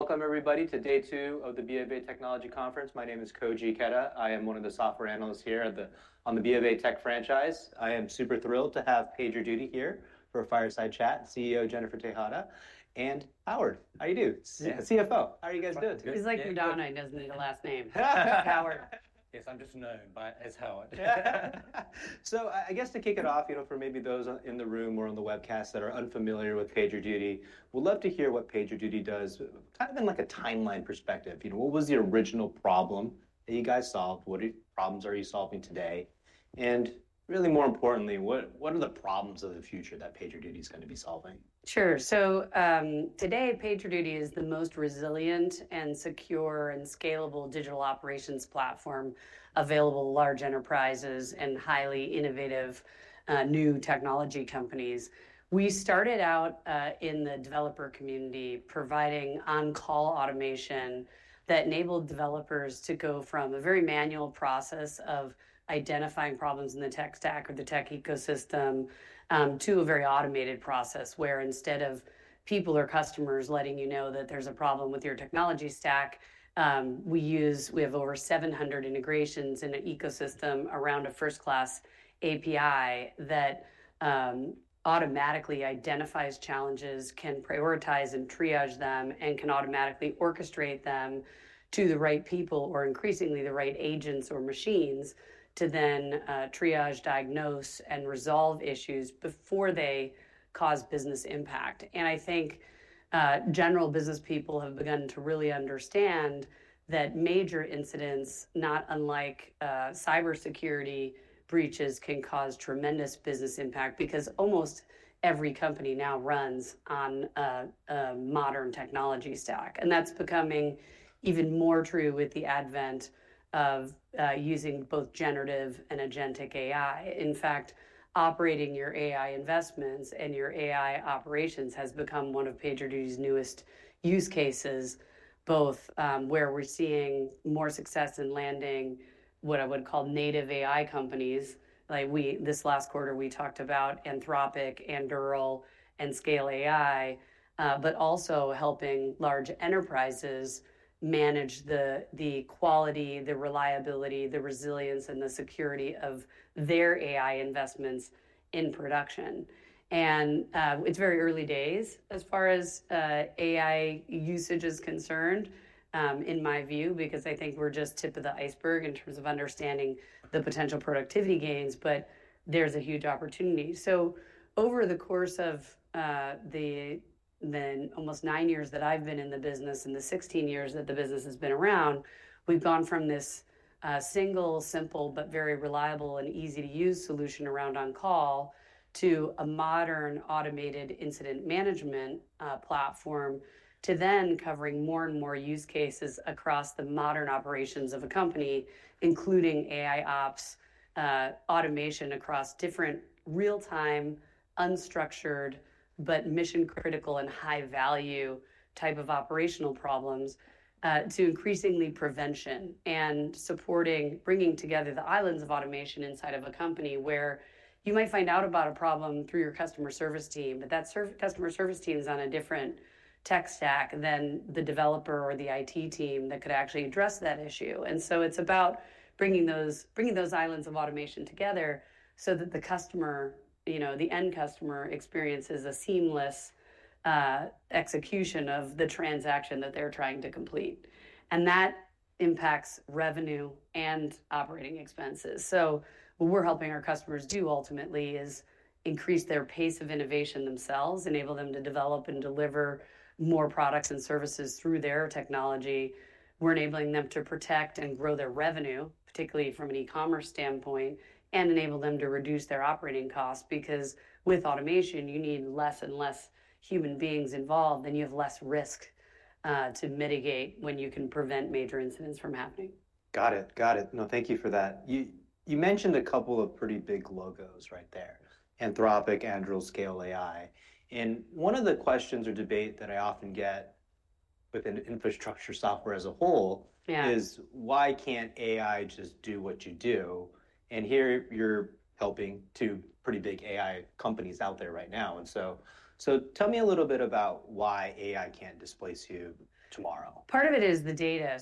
Welcome, everybody, to day two of the BofA Technology Conference. My name is Koji Ikeda. I am one of the Software Analysts here on the BofA Tech franchise. I am super thrilled to have PagerDuty here for a fireside chat, CEO Jennifer Tejada, and Howard, how you do? CFO, how are you guys doing? He's like Madonna, he doesn't need a last name. Yes, I'm just known as Howard. I guess to kick it off, you know, for maybe those in the room or on the webcast that are unfamiliar with PagerDuty, we'd love to hear what PagerDuty does, kind of in like a timeline perspective. You know, what was the original problem that you guys solved? What problems are you solving today? More importantly, what are the problems of the future that PagerDuty is going to be solving? Sure. Today, PagerDuty is the most resilient and secure and scalable digital operations platform available to large enterprises and highly innovative new technology companies. We started out in the developer community providing on-call automation that enabled developers to go from a very manual process of identifying problems in the tech stack or the tech ecosystem to a very automated process where instead of people or customers letting you know that there's a problem with your technology stack, we have over 700 integrations in an ecosystem around a first-class API that automatically identifies challenges, can prioritize and triage them, and can automatically orchestrate them to the right people, or increasingly the right agents or machines, to then triage, diagnose, and resolve issues before they cause business impact. I think general business people have begun to really understand that major incidents, not unlike cybersecurity breaches, can cause tremendous business impact because almost every company now runs on a modern technology stack. That is becoming even more true with the advent of using both Generative and Agentic AI. In fact, operating your AI investments and your AI operations has become one of PagerDuty's newest use cases, both where we're seeing more success in landing what I would call native AI companies. This last quarter, we talked about Anthropic, Anduril, and Scale AI, but also helping large enterprises manage the quality, the reliability, the resilience, and the security of their AI investments in production. It is very early days as far as AI usage is concerned, in my view, because I think we're just tip of the iceberg in terms of understanding the potential productivity gains, but there's a huge opportunity. Over the course of the almost nine years that I've been in the business and the 16 years that the business has been around, we've gone from this single, simple, but very reliable and easy-to-use solution around on-call to a modern automated incident management platform, to then covering more and more use cases across the modern operations of a company, including AI Ops automation across different real-time, unstructured, but mission-critical and high-value type of operational problems to increasingly prevention and supporting, bringing together the islands of automation inside of a company where you might find out about a problem through your customer service team, but that customer service team is on a different tech stack than the developer or the IT team that could actually address that issue. It's about bringing those islands of automation together so that the customer, you know, the end customer experiences a seamless execution of the transaction that they're trying to complete. That impacts revenue and operating expenses. What we're helping our customers do ultimately is increase their pace of innovation themselves, enable them to develop and deliver more products and services through their technology. We're enabling them to protect and grow their revenue, particularly from an e-commerce standpoint, and enable them to reduce their operating costs because with automation, you need less and less human beings involved, then you have less risk to mitigate when you can prevent major incidents from happening. Got it. Got it. No, thank you for that. You mentioned a couple of pretty big logos right there, Anthropic, Anduril, Scale AI. One of the questions or debates that I often get within infrastructure software as a whole is, why can't AI just do what you do? Here you're helping two pretty big AI companies out there right now. Tell me a little bit about why AI can't displace you tomorrow. Part of it is the data.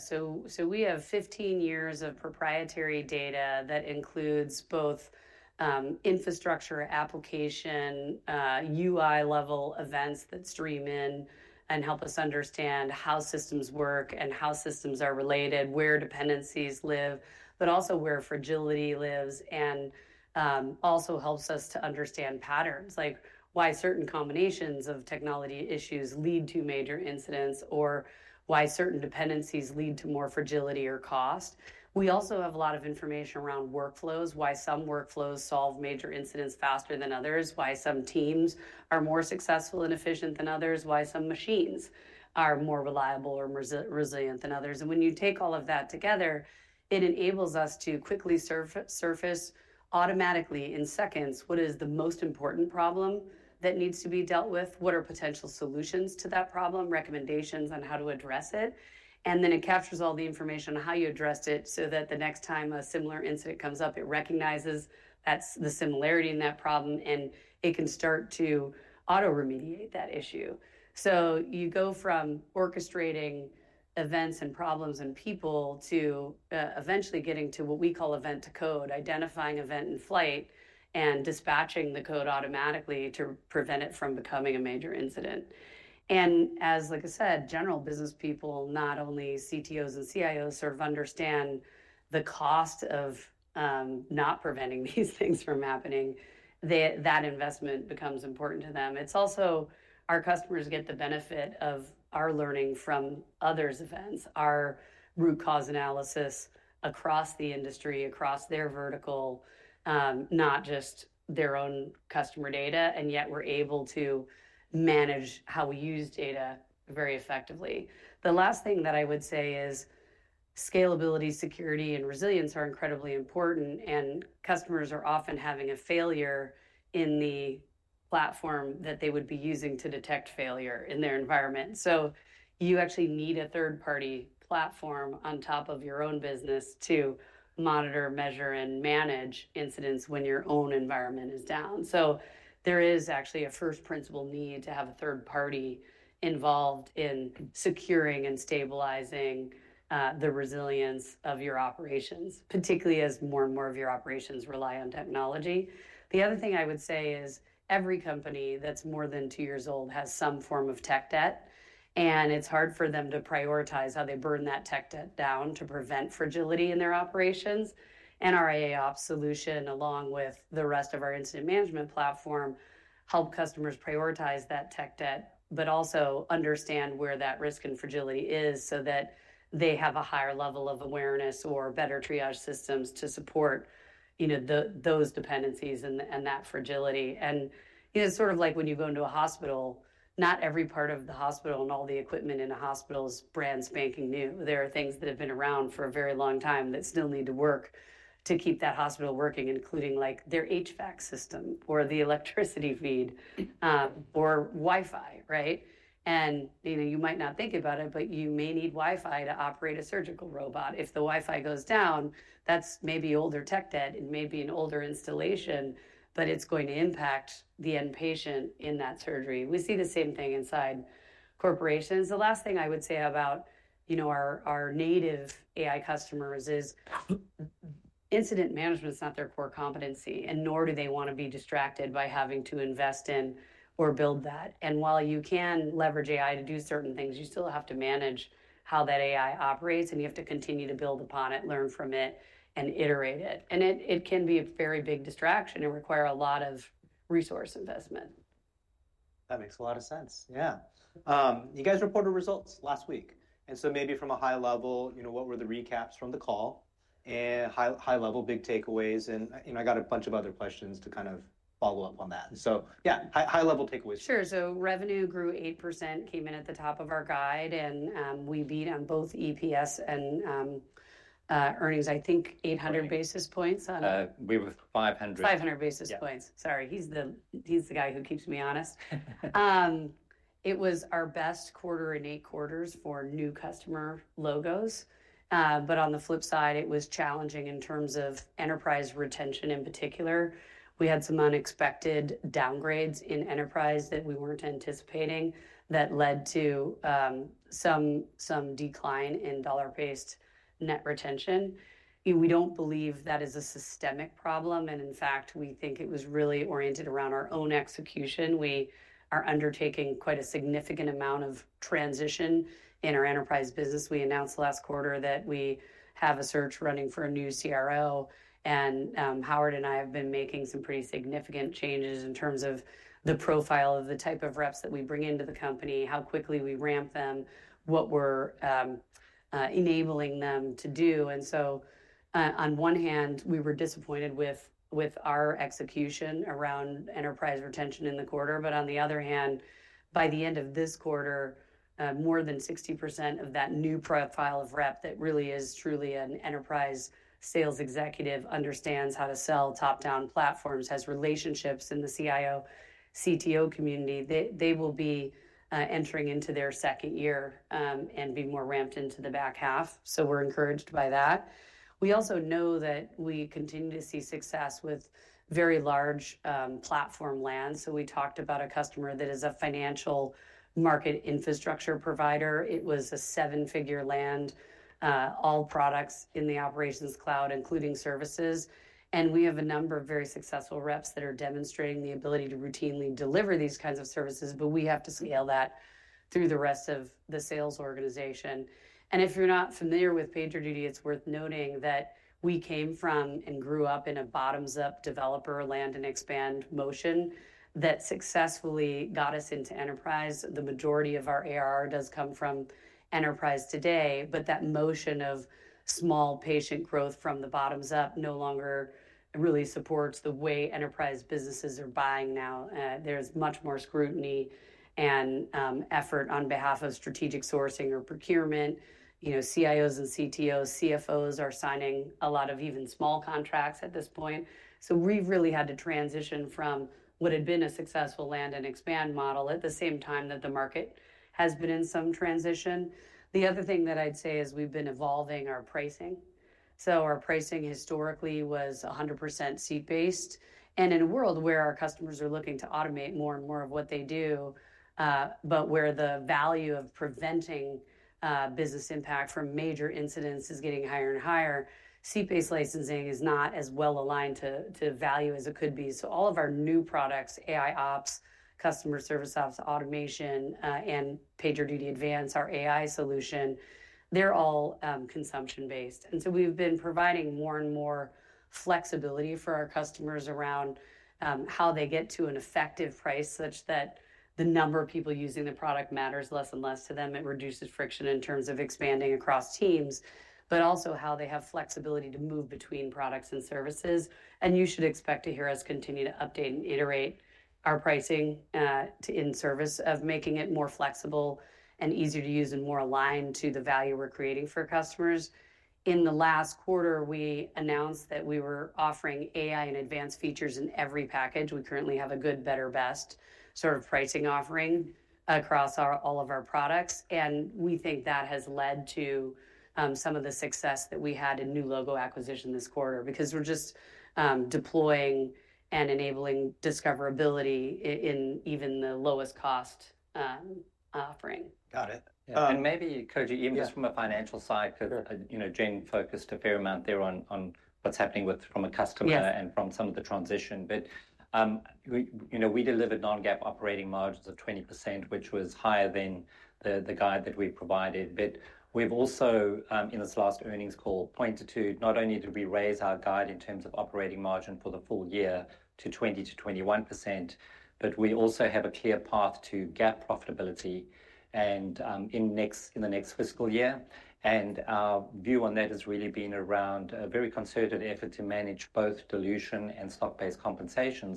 We have 15 years of proprietary data that includes both infrastructure, application, UI-level events that stream in and help us understand how systems work and how systems are related, where dependencies live, but also where fragility lives, and also helps us to understand patterns, like why certain combinations of technology issues lead to major incidents or why certain dependencies lead to more fragility or cost. We also have a lot of information around workflows, why some workflows solve major incidents faster than others, why some teams are more successful and efficient than others, why some machines are more reliable or resilient than others. When you take all of that together, it enables us to quickly surface automatically in seconds what is the most important problem that needs to be dealt with, what are potential solutions to that problem, recommendations on how to address it. It captures all the information on how you addressed it so that the next time a similar incident comes up, it recognizes the similarity in that problem and it can start to auto-remediate that issue. You go from orchestrating events and problems and people to eventually getting to what we call event to code, identifying event in flight and dispatching the code automatically to prevent it from becoming a major incident. As, like I said, general business people, not only CTOs and CIOs, sort of understand the cost of not preventing these things from happening, that investment becomes important to them. It's also our customers get the benefit of our learning from others' events, our root cause analysis across the industry, across their vertical, not just their own customer data, and yet we're able to manage how we use data very effectively. The last thing that I would say is scalability, security, and resilience are incredibly important, and customers are often having a failure in the platform that they would be using to detect failure in their environment. You actually need a third-party platform on top of your own business to monitor, measure, and manage incidents when your own environment is down. There is actually a first principle need to have a third party involved in securing and stabilizing the resilience of your operations, particularly as more and more of your operations rely on technology. The other thing I would say is every company that's more than two years old has some form of tech debt, and it's hard for them to prioritize how they burn that tech debt down to prevent fragility in their operations. Our AI Ops solution, along with the rest of our Incident Management platform, helps customers prioritize that tech debt, but also understand where that risk and fragility is so that they have a higher level of awareness or better triage systems to support those dependencies and that fragility. It's sort of like when you go into a hospital, not every part of the hospital and all the equipment in a hospital is brand spanking new. There are things that have been around for a very long time that still need to work to keep that hospital working, including like their HVAC system or the electricity feed or Wi-Fi, right? You might not think about it, but you may need Wi-Fi to operate a surgical robot. If the Wi-Fi goes down, that's maybe older tech debt and maybe an older installation, but it's going to impact the end-patient in that surgery. We see the same thing inside corporations. The last thing I would say about our native AI customers is incident management is not their core competency, and nor do they want to be distracted by having to invest in or build that. While you can leverage AI to do certain things, you still have to manage how that AI operates, and you have to continue to build upon it, learn from it, and iterate it. It can be a very big distraction and require a lot of resource investment. That makes a lot of sense. Yeah. You guys reported results last week. Maybe from a high-level, you know, what were the recaps from the call and high-level big takeaways? I got a bunch of other questions to kind of follow up on that. Yeah, high-level takeaways. Sure. Revenue grew 8%, came in at the top of our guide, and we beat on both EPS and earnings, I think 800 basis points. We were 500 basis points. 500 basis points. Sorry. He's the guy who keeps me honest. It was our best quarter in eight quarters for new customer logos. On the flip side, it was challenging in terms of enterprise retention in particular. We had some unexpected downgrades in enterprise that we weren't anticipating that led to some decline in dollar-based net retention. We don't believe that is a systemic problem. In fact, we think it was really oriented around our own execution. We are undertaking quite a significant amount of transition in our enterprise business. We announced last quarter that we have a search running for a new CRO. Howard and I have been making some pretty significant changes in terms of the profile of the type of reps that we bring into the company, how quickly we ramp them, what we're enabling them to do. On one hand, we were disappointed with our execution around enterprise retention in the quarter. On the other hand, by the end of this quarter, more than 60% of that new profile of rep that really is truly an enterprise sales executive understands how to sell top-down platforms, has relationships in the CIO, CTO community, they will be entering into their second year and be more ramped into the back half. We are encouraged by that. We also know that we continue to see success with very large platform lands. We talked about a customer that is a financial market infrastructure provider. It was a seven-figure land, all products in the Operations Cloud, including services. We have a number of very successful reps that are demonstrating the ability to routinely deliver these kinds of services, but we have to scale that through the rest of the sales organization. If you're not familiar with PagerDuty, it's worth noting that we came from and grew up in a bottoms-up developer land and expand motion that successfully got us into enterprise. The majority of our ARR does come from enterprise today, but that motion of small patient growth from the bottoms up no longer really supports the way enterprise businesses are buying now. There's much more scrutiny and effort on behalf of strategic sourcing or procurement. CIOs and CTOs, CFOs are signing a lot of even small contracts at this point. We have really had to transition from what had been a successful land and expand model at the same time that the market has been in some transition. The other thing that I would say is we have been evolving our pricing. Our pricing historically was 100% seat-based. In a world where our customers are looking to automate more and more of what they do, but where the value of preventing business impact from major incidents is getting higher and higher, seat-based licensing is not as well aligned to value as it could be. All of our new products, AI Ops, Customer Service Ops, Automation, and PagerDuty Advance, our AI solution, are all consumption-based. We have been providing more and more flexibility for our customers around how they get to an effective price such that the number of people using the product matters less and less to them. It reduces friction in terms of expanding across teams, but also how they have flexibility to move between products and services. You should expect to hear us continue to update and iterate our pricing in service of making it more flexible and easier to use and more aligned to the value we're creating for customers. In the last quarter, we announced that we were offering AI and advanced features in every package. We currently have a good, better, best sort of pricing offering across all of our products. We think that has led to some of the success that we had in new logo acquisition this quarter because we're just deploying and enabling discoverability in even the lowest cost offering. Got it. Maybe, Koji, even just from a financial side, because Jane focused a fair amount there on what's happening from a customer and from some of the transition. We delivered non-GAAP operating margins of 20%, which was higher than the guide that we provided. We also, in this last earnings call, pointed to not only did we raise our guide in terms of operating margin for the full year to 20%-21%, but we also have a clear path to GAAP profitability in the next fiscal year. Our view on that has really been around a very concerted effort to manage both dilution and stock-based compensation.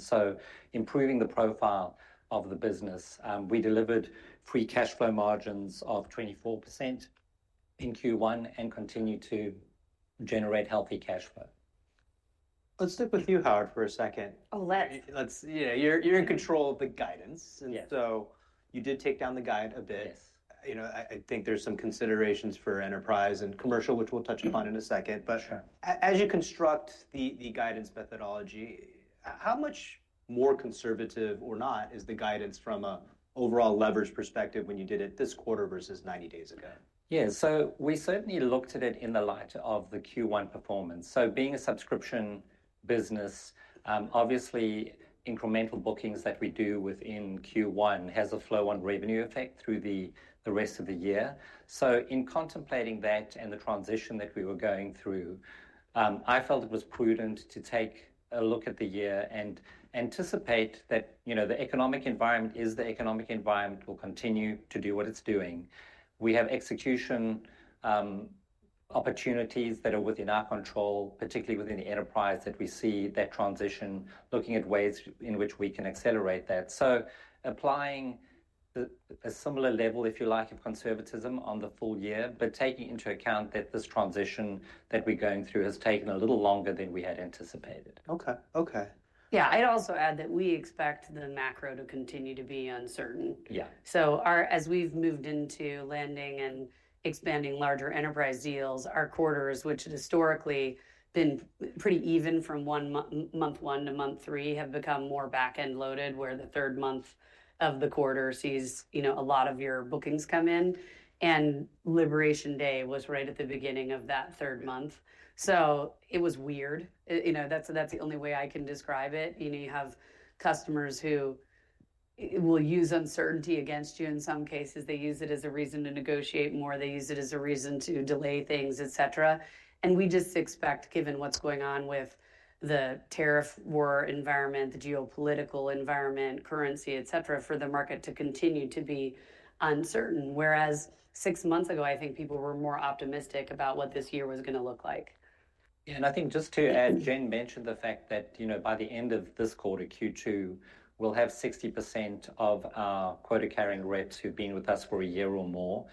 Improving the profile of the business, we delivered free cash flow margins of 24% in Q1 and continue to generate healthy cash flow. Let's stick with you, Howard, for a second. Oh, let's. You're in control of the guidance. You did take down the guide a bit. I think there's some considerations for enterprise and commercial, which we'll touch upon in a second. As you construct the guidance methodology, how much more conservative or not is the guidance from an overall leverage perspective when you did it this quarter versus 90 days ago? Yeah. We certainly looked at it in the light of the Q1 performance. Being a subscription business, obviously incremental bookings that we do within Q1 has a flow-on revenue effect through the rest of the year. In contemplating that and the transition that we were going through, I felt it was prudent to take a look at the year and anticipate that the economic environment is the economic environment will continue to do what it's doing. We have execution opportunities that are within our control, particularly within the enterprise that we see that transition, looking at ways in which we can accelerate that. Applying a similar level, if you like, of conservatism on the full year, but taking into account that this transition that we're going through has taken a little longer than we had anticipated. Okay. Okay. Yeah. I'd also add that we expect the macro to continue to be uncertain. Yeah. As we've moved into landing and expanding larger enterprise deals, our quarters, which had historically been pretty even from month one to month three, have become more back-end loaded, where the third month of the quarter sees a lot of your bookings come in. Liberation Day was right at the beginning of that third month. It was weird. That's the only way I can describe it. You have customers who will use uncertainty against you in some cases. They use it as a reason to negotiate more. They use it as a reason to delay things, etc. We just expect, given what's going on with the tariff war environment, the geopolitical environment, currency, etc., for the market to continue to be uncertain, whereas six months ago, I think people were more optimistic about what this year was going to look like. Yeah. I think just to add, Jane mentioned the fact that by the end of this quarter, Q2, we'll have 60% of our quota-carrying reps who've been with us for a year or more.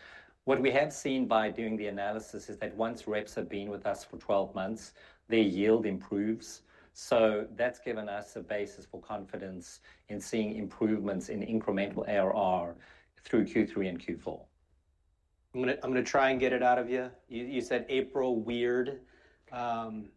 What we have seen by doing the analysis is that once reps have been with us for 12 months, their yield improves. That's given us a basis for confidence in seeing improvements in incremental ARR through Q3 and Q4. I'm going to try and get it out of you. You said April weird.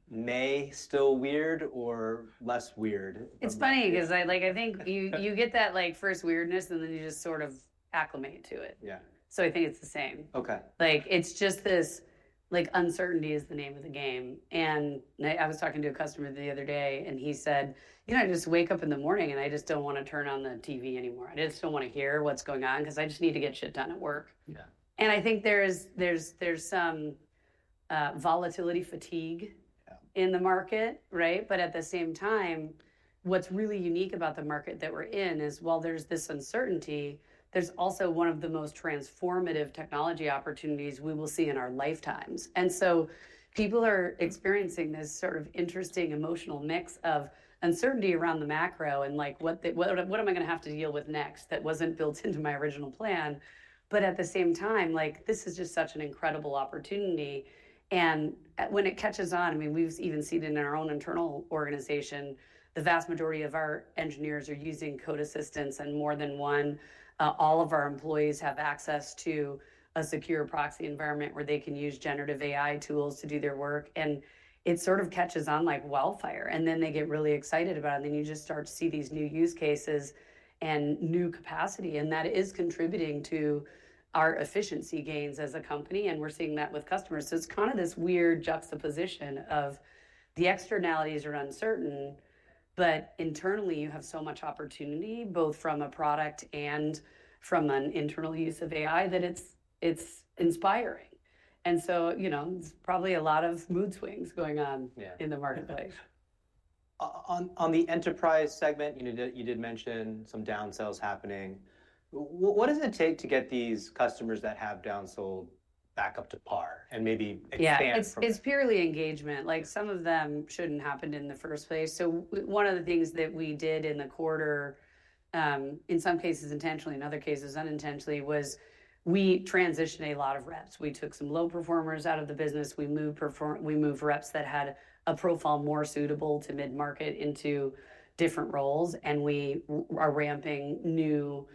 May still weird or less weird? It's funny because I think you get that first weirdness, and then you just sort of acclimate to it. Yeah. I think it's the same. Okay. It's just this uncertainty is the name of the game. I was talking to a customer the other day, and he said, you know, I just wake up in the morning, and I just don't want to turn on the TV anymore. I just don't want to hear what's going on because I just need to get shit done at work. Yeah. I think there's some volatility fatigue in the market, right? At the same time, what's really unique about the market that we're in is while there's this uncertainty, there's also one of the most transformative technology opportunities we will see in our lifetimes. People are experiencing this sort of interesting emotional mix of uncertainty around the macro and like, what am I going to have to deal with next that was not built into my original plan? At the same time, this is just such an incredible opportunity. When it catches on, I mean, we have even seen it in our own internal organization. The vast majority of our engineers are using code assistance and more than one. All of our employees have access to a secure proxy environment where they can use generative AI tools to do their work. It sort of catches on like wildfire. They get really excited about it. You just start to see these new use cases and new capacity. That is contributing to our efficiency gains as a company. We are seeing that with customers. It's kind of this weird juxtaposition of the externalities are uncertain, but internally, you have so much opportunity, both from a product and from an internal use of AI, that it's inspiring. There's probably a lot of mood swings going on in the marketplace. On the enterprise segment, you did mention some downsells happening. What does it take to get these customers that have downsold back up to par and maybe expand? It's purely engagement. Some of them shouldn't have happened in the first place. One of the things that we did in the quarter, in some cases intentionally, in other cases unintentionally, was we transitioned a lot of reps. We took some low performers out of the business. We moved reps that had a profile more suitable to mid-market into different roles. We are ramping new,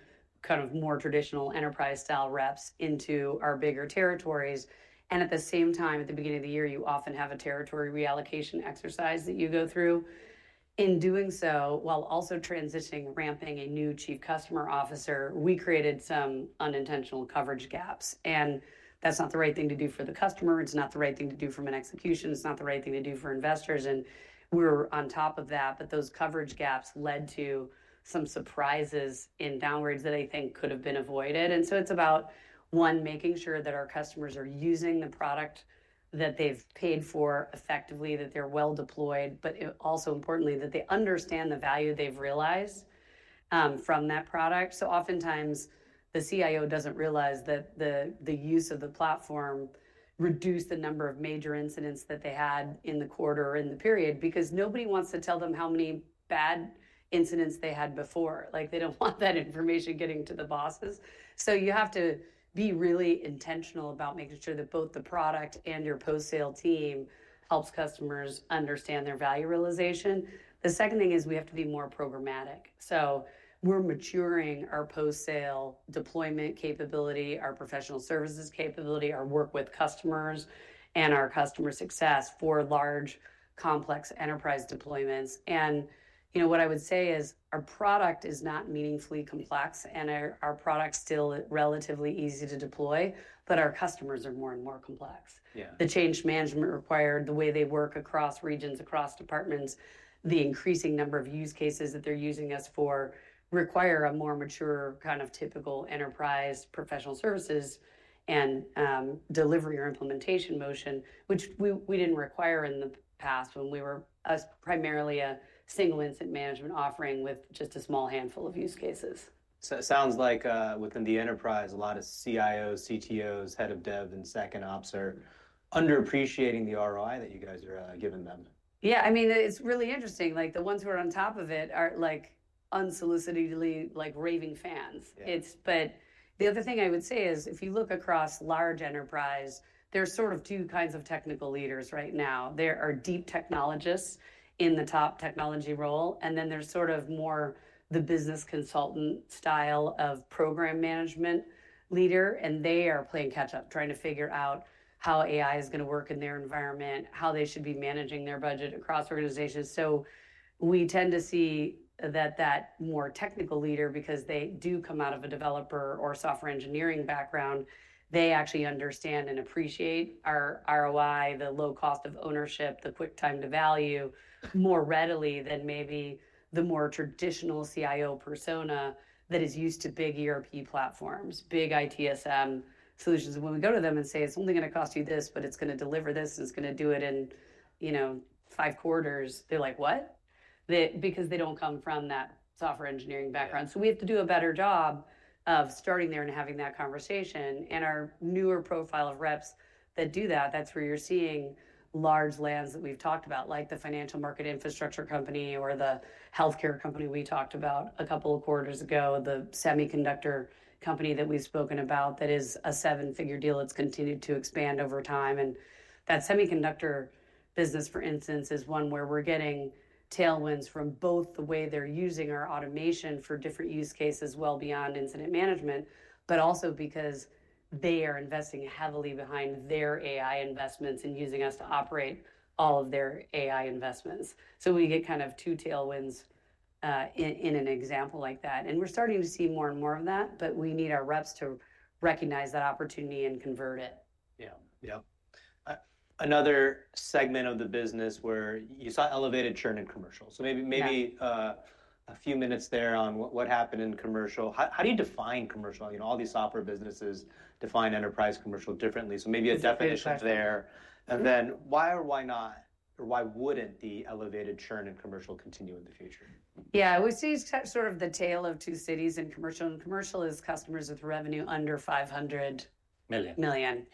kind of more traditional enterprise-style reps into our bigger territories. At the same time, at the beginning of the year, you often have a territory reallocation exercise that you go through. In doing so, while also transitioning, ramping a new Chief Customer Officer, we created some unintentional coverage gaps. That's not the right thing to do for the customer. It's not the right thing to do from an execution. It's not the right thing to do for investors. We're on top of that. Those coverage gaps led to some surprises in downwards that I think could have been avoided. It's about, one, making sure that our customers are using the product that they've paid for effectively, that they're well deployed, but also importantly, that they understand the value they've realized from that product. Oftentimes, the CIO doesn't realize that the use of the platform reduced the number of major incidents that they had in the quarter or in the period because nobody wants to tell them how many bad incidents they had before. They don't want that information getting to the bosses. You have to be really intentional about making sure that both the product and your post-sale team helps customers understand their value realization. The second thing is we have to be more programmatic. We're maturing our post-sale deployment capability, our professional services capability, our work with customers, and our customer success for large, complex enterprise deployments. What I would say is our product is not meaningfully complex, and our product's still relatively easy to deploy, but our customers are more and more complex. The change management required, the way they work across regions, across departments, the increasing number of use cases that they're using us for require a more mature kind of typical enterprise professional services and delivery or implementation motion, which we didn't require in the past when we were primarily a single incident management offering with just a small handful of use cases. It sounds like within the enterprise, a lot of CIOs, CTOs, Head of Dev, and Second Ops are underappreciating the ROI that you guys are giving them. Yeah. I mean, it's really interesting. The ones who are on top of it are unsolicitedly raving fans. The other thing I would say is if you look across large enterprise, there's sort of two kinds of technical leaders right now. There are deep technologists in the top technology role, and then there's sort of more the business consultant style of program management leader, and they are playing catch-up, trying to figure out how AI is going to work in their environment, how they should be managing their budget across organizations. We tend to see that that more technical leader, because they do come out of a developer or software engineering background, they actually understand and appreciate our ROI, the low cost of ownership, the quick time to value more readily than maybe the more traditional CIO persona that is used to big ERP platforms, big ITSM solutions. When we go to them and say, "It's only going to cost you this, but it's going to deliver this, and it's going to do it in five quarters," they're like, "What?" because they don't come from that software engineering background. We have to do a better job of starting there and having that conversation. Our newer profile of reps that do that, that's where you're seeing large lands that we've talked about, like the financial market infrastructure company or the healthcare company we talked about a couple of quarters ago, the semiconductor company that we've spoken about that is a seven-figure deal. It's continued to expand over time. That semiconductor business, for instance, is one where we're getting tailwinds from both the way they're using our automation for different use cases well beyond incident management, but also because they are investing heavily behind their AI investments and using us to operate all of their AI investments. We get kind of two tailwinds in an example like that. We're starting to see more and more of that, but we need our reps to recognize that opportunity and convert it. Yeah. Yeah. Another segment of the business where you saw elevated churn in commercial. Maybe a few minutes there on what happened in commercial. How do you define commercial? All these software businesses define enterprise commercial differently. Maybe a definition there. Then why or why not, or why would the elevated churn in commercial continue in the future? Yeah. We see sort of the tale of two cities in commercial. Commercial is customers with revenue under $500 million.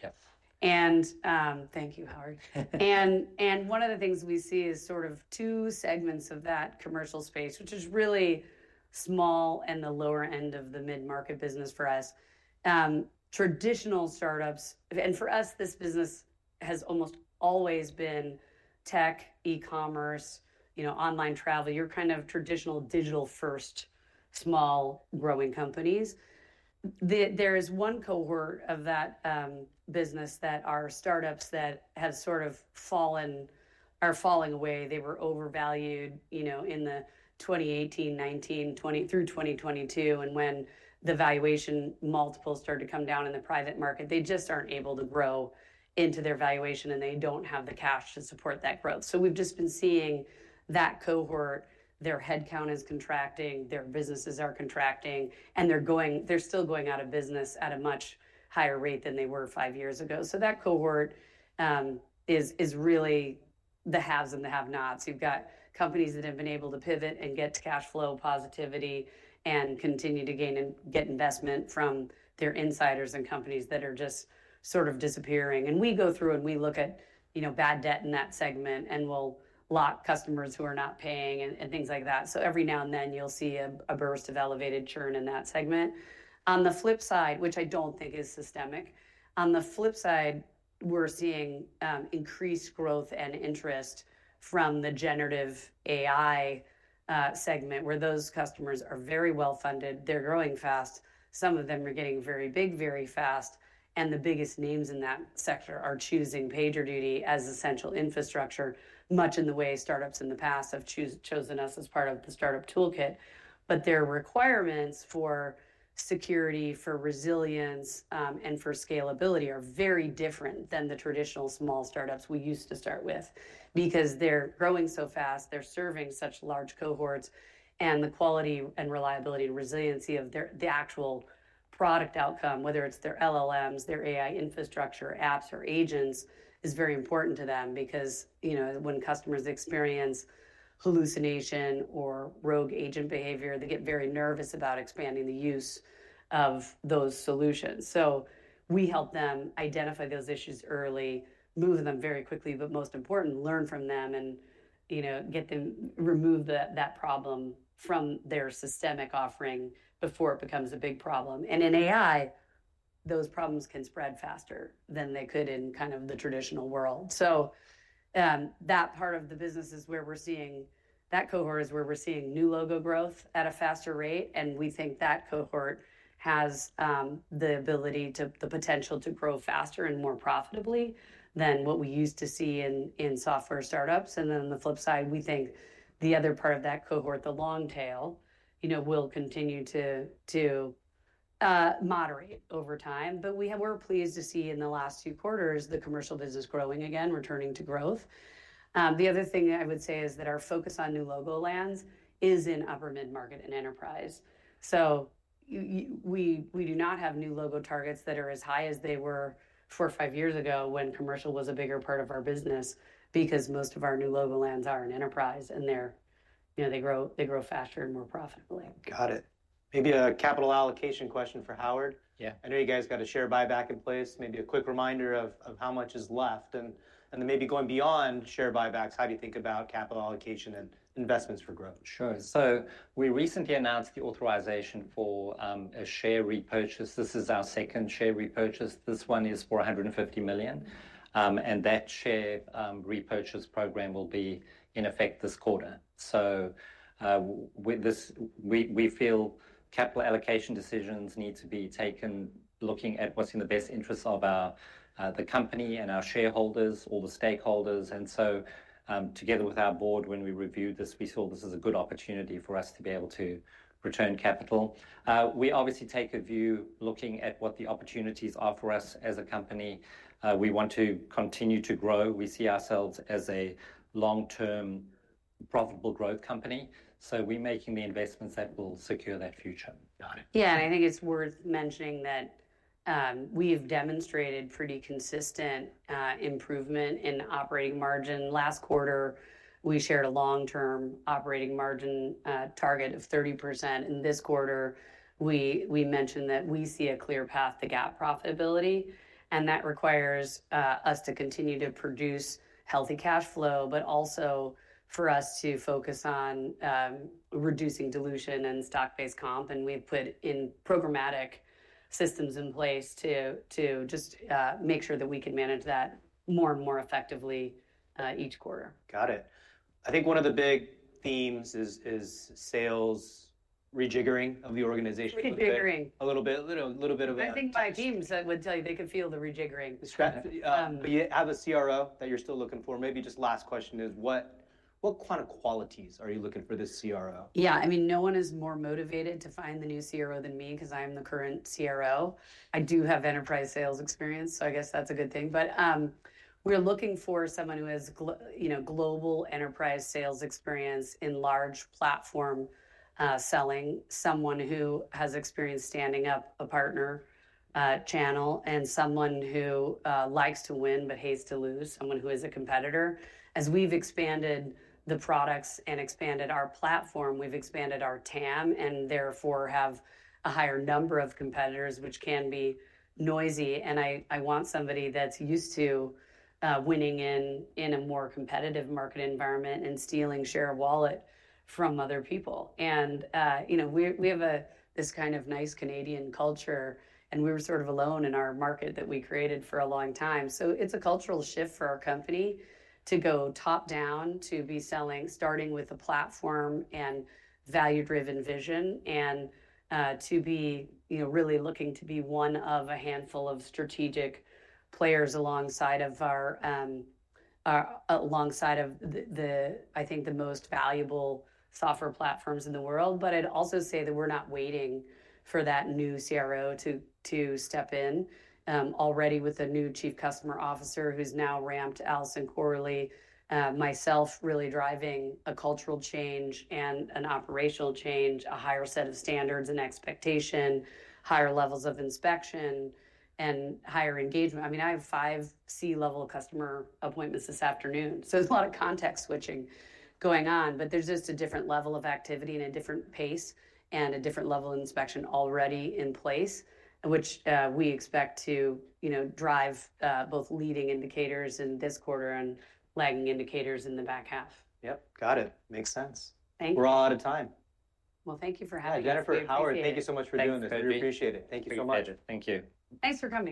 Yeah. Thank you, Howard. One of the things we see is sort of two segments of that commercial space, which is really small and the lower end of the mid-market business for us. Traditional startups, and for us, this business has almost always been tech, e-commerce, online travel. You are kind of traditional digital-first, small-growing companies. There is one cohort of that business, our startups, that have sort of fallen or falling away. They were overvalued in 2018, 2019, through 2022. When the valuation multiples started to come down in the private market, they just are not able to grow into their valuation, and they do not have the cash to support that growth. We have just been seeing that cohort. Their headcount is contracting. Their businesses are contracting. They're still going out of business at a much higher rate than they were five years ago. That cohort is really the haves and the have-nots. You've got companies that have been able to pivot and get cash flow positivity and continue to gain and get investment from their insiders and companies that are just sort of disappearing. We go through and we look at bad debt in that segment, and we'll lock customers who are not paying and things like that. Every now and then, you'll see a burst of elevated churn in that segment. On the flip side, which I don't think is systemic, we're seeing increased growth and interest from the generative AI segment, where those customers are very well-funded. They're growing fast. Some of them are getting very big, very fast. The biggest names in that sector are choosing PagerDuty as essential infrastructure, much in the way startups in the past have chosen us as part of the startup toolkit. Their requirements for security, for resilience, and for scalability are very different than the traditional small startups we used to start with because they're growing so fast. They're serving such large cohorts. The quality and reliability and resiliency of the actual product outcome, whether it's their LLMs, their AI infrastructure, apps, or agents, is very important to them because when customers experience hallucination or rogue agent behavior, they get very nervous about expanding the use of those solutions. We help them identify those issues early, move them very quickly, but most important, learn from them and get them to remove that problem from their systemic offering before it becomes a big problem. In AI, those problems can spread faster than they could in kind of the traditional world. That part of the business is where we're seeing that cohort is where we're seeing new logo growth at a faster rate. We think that cohort has the ability to, the potential to, grow faster and more profitably than what we used to see in software startups. On the flip side, we think the other part of that cohort, the long tail, will continue to moderate over time. We're pleased to see in the last few quarters, the commercial business growing again, returning to growth. The other thing I would say is that our focus on new logo lands is in upper mid-market and enterprise. We do not have new logo targets that are as high as they were four or five years ago when commercial was a bigger part of our business because most of our new logo lands are in enterprise, and they grow faster and more profitably. Got it. Maybe a capital allocation question for Howard. Yeah. I know you guys got a share buyback in place. Maybe a quick reminder of how much is left. Then maybe going beyond share buybacks, how do you think about capital allocation and investments for growth? Sure. We recently announced the authorization for a share repurchase. This is our second share repurchase. This one is for $150 million. That share repurchase program will be in effect this quarter. We feel capital allocation decisions need to be taken looking at what's in the best interest of the company and our shareholders or the stakeholders. Together with our board, when we reviewed this, we saw this is a good opportunity for us to be able to return capital. We obviously take a view looking at what the opportunities are for us as a company. We want to continue to grow. We see ourselves as a long-term profitable growth company. We're making the investments that will secure that future. Got it. Yeah. I think it's worth mentioning that we've demonstrated pretty consistent improvement in operating margin. Last quarter, we shared a long-term operating margin target of 30%. This quarter, we mentioned that we see a clear path to GAAP profitability. That requires us to continue to produce healthy cash flow, but also for us to focus on reducing dilution and stock-based comp. We've put in programmatic systems in place to just make sure that we can manage that more and more effectively each quarter. Got it. I think one of the big themes is sales rejiggering of the organization. Rejiggering. A little bit. A little bit of a. I think my teams would tell you they could feel the rejiggering. You have a CRO that you're still looking for. Maybe just last question is, what kind of qualities are you looking for this CRO? Yeah. I mean, no one is more motivated to find the new CRO than me because I'm the current CRO. I do have enterprise sales experience, so I guess that's a good thing. We're looking for someone who has global enterprise sales experience in large platform selling, someone who has experience standing up a partner channel, and someone who likes to win but hates to lose, someone who is a competitor. As we've expanded the products and expanded our platform, we've expanded our TAM and therefore have a higher number of competitors, which can be noisy. I want somebody that's used to winning in a more competitive market environment and stealing share of wallet from other people. We have this kind of nice Canadian culture, and we were sort of alone in our market that we created for a long time. It's a cultural shift for our company to go top-down, to be selling, starting with a platform and value-driven vision, and to be really looking to be one of a handful of strategic players alongside of the, I think, the most valuable software platforms in the world. I'd also say that we're not waiting for that new CRO to step in. Already with a new Chief Customer Officer who's now ramped, Allison Corley, myself really driving a cultural change and an operational change, a higher set of standards and expectation, higher levels of inspection, and higher engagement. I mean, I have five C-level customer appointments this afternoon. There's a lot of context switching going on, but there's just a different level of activity and a different pace and a different level of inspection already in place, which we expect to drive both leading indicators in this quarter and lagging indicators in the back half. Yep. Got it. Makes sense. Thank you. We're all out of time. Thank you for having me. Jennifer, Howard, thank you so much for doing this. We appreciate it. Thank you so much. Thank you. Thanks for coming.